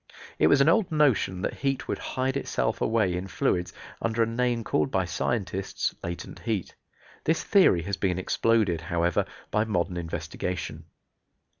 It was an old notion that heat would hide itself away in fluids under a name called by scientists latent heat. This theory has been exploded, however, by modern investigation.